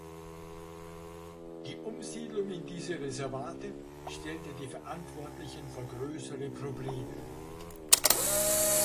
Die Umsiedlung in diese Reservate stellte die Verantwortlichen vor größere Probleme.